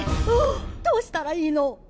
おおっどうしたらいいの？